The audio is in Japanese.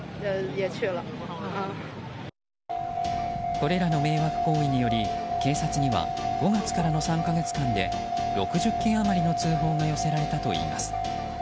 これらの迷惑行為により警察には５月からの３か月間で６０件余りの通報が寄せられたといいます。